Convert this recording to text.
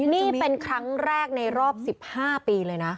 นี่เป็นครั้งแรกในรอบ๑๕ปีเลยนะ